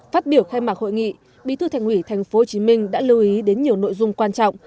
phát biểu khai mạc hội nghị bí thư thành ủy tp hcm đã lưu ý đến nhiều nội dung quan trọng